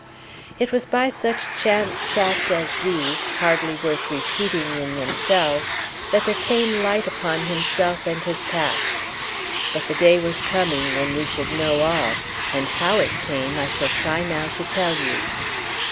It was by such chance chats as these hardly worth repeating in themselves that there came light upon himself and his past. But the day was coming when we should know all; and how it came I shall try now to tell you.